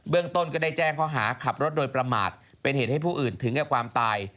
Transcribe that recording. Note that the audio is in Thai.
ตนก็ได้แจ้งข้อหาขับรถโดยประมาทเป็นเหตุให้ผู้อื่นถึงกับความตาย